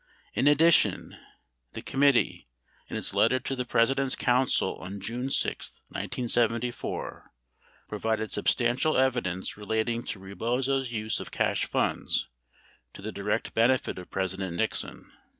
(931) 932 In addition, the committee, in its letter to the President's counsel on June 6, 1974, provided substantial evidence relating to Rebozo's use of cash funds to the direct benefit of President Nixon.